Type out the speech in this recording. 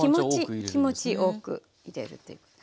気持ち多く入れるということ。